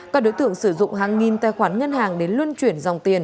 các đối tượng sử dụng hàng nghìn tài khoản ngân hàng đến luân chuyển dòng tiền